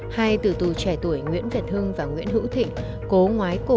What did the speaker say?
hai từ tù trẻ tuổi nguyễn việt hưng và nguyễn hữu thịnh